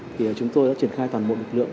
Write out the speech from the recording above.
thì chúng tôi đã triển khai toàn bộ lực lượng